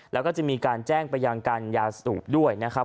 แล้วก็จะมีการแจ้งไปยังการยาสูบด้วยนะครับ